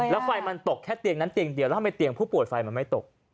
แล้วไฟมันตกแค่เตียงนั้นเตียงเดียวแล้วทำไมเตียงผู้ป่วยไฟมันไม่ตก